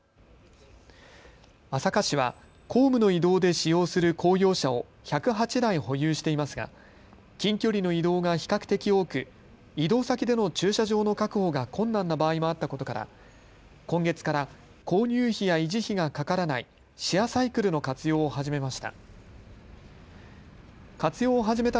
朝霞市は公務の移動で使用する公用車を１０８台保有していますが近距離の移動が比較的多く、移動先での駐車場の確保が困難な場合もあったことから今月から購入費や維持費がかからないシェアサイクルの活用を始めました。